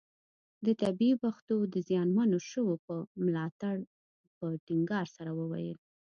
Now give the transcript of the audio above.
د طبیعي پېښو د زیانمنو شویو پر ملاتړ په ټینګار سره وویل.